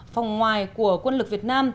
phòng ngoài của quân lực việt nam